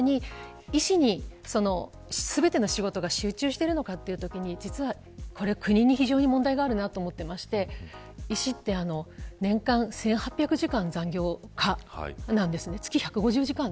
じゃあ、そもそもなんでそんなに医師に全ての仕事が集中しているのかというときに実は、国に非常に問題があると思っていて医師は年間１８００時間残業可なんです。